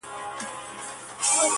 ماخو ستا غمونه ځوروي گلي -